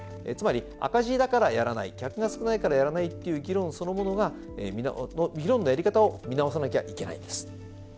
つまり赤字だからやらない客が少ないからやらないっていう議論そのものが議論のやり方を見直さなきゃいけないんです。